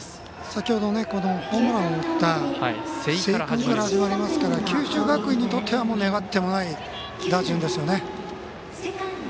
先ほどホームランを打った瀬井君から始まりますから九州学院にとっては願ってもない打順ですよね。